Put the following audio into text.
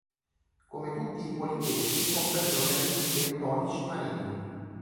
Come tutti i Policheti, comprende organismi bentonici marini.